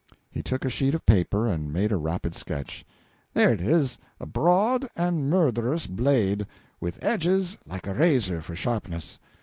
He took a sheet of paper and made a rapid sketch. "There it is a broad and murderous blade, with edges like a razor for sharpness.